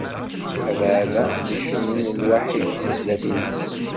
Abeɛda mi cennun lwaḥi tizlatin-is.